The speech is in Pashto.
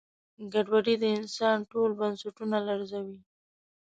ګډوډي د انسان ټول بنسټونه لړزوي.